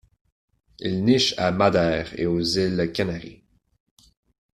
Il niche à Madère et aux îles Canaries.